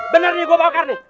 bener nih gue bakar nih